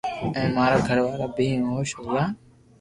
ھين مارا گھر وارا بي خوݾ ھويا